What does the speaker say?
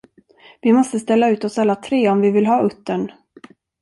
Vi måste ställa ut oss alla tre om vi vill ha uttern.